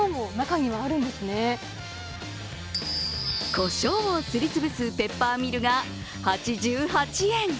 こしょうをすりつぶすペッパーミルが８８円。